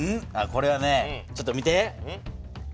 これはねちょっと見て。